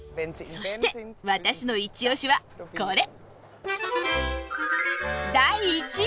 そして私のいち押しはこれ！